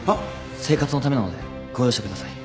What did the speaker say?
生活のためなのでご容赦ください。